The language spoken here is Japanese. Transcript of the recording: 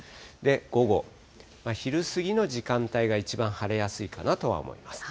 午後、昼過ぎの時間帯が一番晴れやすいかなとは思います。